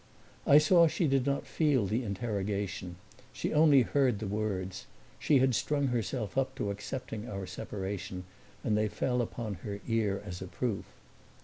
I saw she did not feel the interrogation, she only heard the words; she had strung herself up to accepting our separation and they fell upon her ear as a proof.